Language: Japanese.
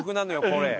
これ。